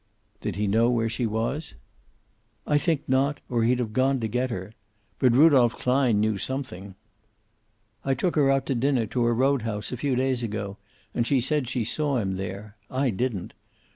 "Did he know where she was?" "I think not, or he'd have gone to get her. But Rudolph Klein knew something. I took her out to dinner, to a roadhouse, a few days ago, and she said she saw him there. I didn't.